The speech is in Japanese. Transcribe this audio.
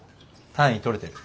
単位取れてる？